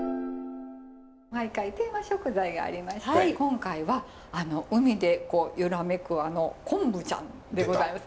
毎回テーマ食材がありまして今回は海で揺らめく昆布ちゃんでございます。